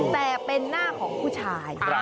แต่เป็นหน้าของผู้ชาย